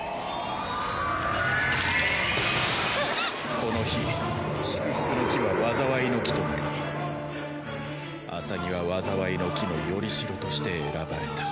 この日祝福の樹は災いの樹となりアサギは災いの樹の依り代として選ばれた。